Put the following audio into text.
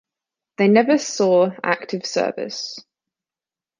They never saw active service.